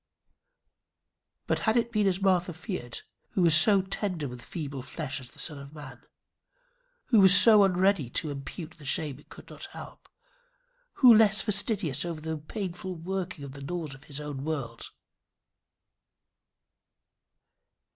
But had it been as Martha feared, who so tender with feeble flesh as the Son of Man? Who so unready to impute the shame it could not help? Who less fastidious over the painful working of the laws of his own world?